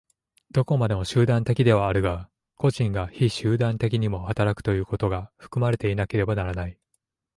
どこまでも集団的ではあるが、個人が非集団的にも働くということが含まれていなければならない。